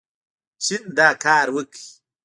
چین دا کار وکړ.